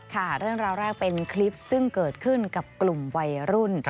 เรื่องราวแรกเป็นคลิปซึ่งเกิดขึ้นกับกลุ่มวัยรุ่น